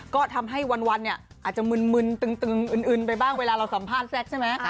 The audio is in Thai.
ก็ทำให้วันอาจจะมึนอื่นไปบ้างเวลาเราสัมภาษณ์แซ็คใช่ไหม